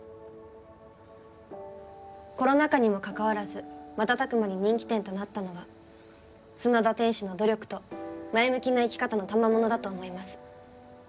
コロナ禍にもかかわらず瞬く間に人気店となったのは砂田店主の努力と前向きな生き方のたまものだと思います。